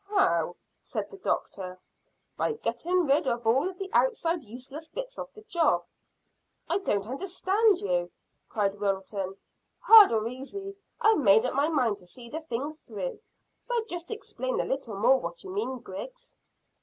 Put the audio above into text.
"How?" said the doctor. "By getting rid of all the outside useless bits of the job." "I don't understand you," cried Wilton. "Hard or easy, I've made up my mind to see the thing through; but just explain a little more what you mean, Griggs."